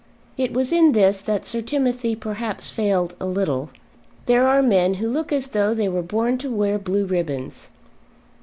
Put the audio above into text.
It was in this that Sir Timothy perhaps failed a little. There are men who look as though they were born to wear blue ribbons.